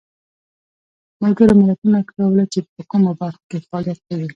ملګرو ملتونو کړه وړه چې په کومو برخو کې فعالیت کوي.